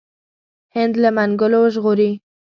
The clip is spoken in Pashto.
هند له منګولو وژغوري.